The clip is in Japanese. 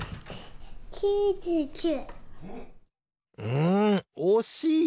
うんおしい！